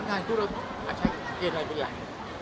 ใช้เป็นแบบอะไร